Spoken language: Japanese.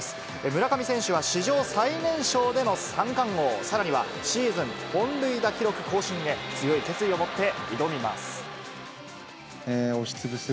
村上選手は史上最年少での三冠王、さらにはシーズン本塁打記録更新へ、強い決意を持って挑みます。